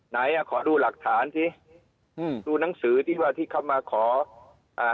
ไหนอ่ะขอดูหลักฐานสิอืมดูหนังสือที่ว่าที่เขามาขออ่า